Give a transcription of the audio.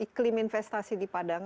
iklim investasi di padang